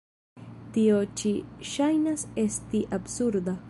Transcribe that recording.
Tio ĉi ŝajnas esti absurda.